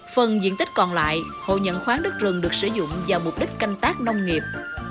phần diện tích còn lại hộ nhận khoáng đất rừng được sử dụng vào mục đích canh tác nông nghiệp